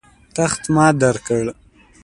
تخت ما درکړ.